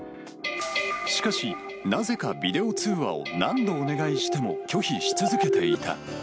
しかし、なぜかビデオ通話を何度お願いしても拒否し続けていた。